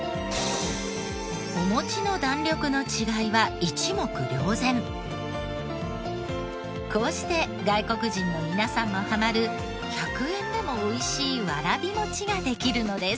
お餅のこうして外国人の皆さんもハマる１００円でもおいしいわらび餅ができるのです。